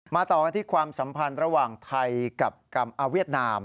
ต่อกันที่ความสัมพันธ์ระหว่างไทยกับอาเวียดนาม